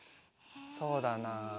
そうだな。